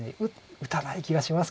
打たない気がしますけど。